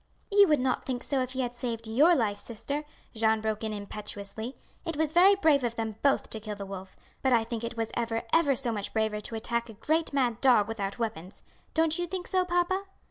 "You would not think so if he had saved your life, sister," Jeanne broke in impetuously. "It was very brave of them both to kill the wolf; but I think it was ever, ever so much braver to attack a great mad dog without weapons. Don't you think so, papa?"